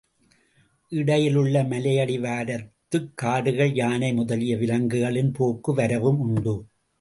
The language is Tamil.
இடையிலுள்ள மலையடிவாரத்துக் காடுகளில் யானை முதலிய விலக்குகளின் போக்கு வரவும் உண்டு.